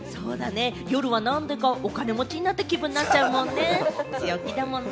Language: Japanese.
夜はなんだかお金持ちになった気分になるもんね。